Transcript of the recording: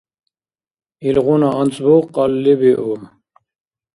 Илгъуна анцӀбукь кьалли биуб.